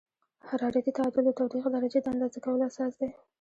حرارتي تعادل د تودوخې درجې د اندازه کولو اساس دی.